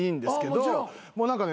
もう何かね